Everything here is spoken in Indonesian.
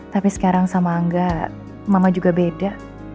tapi sekarang sama angga mama juga beda